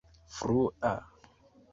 frua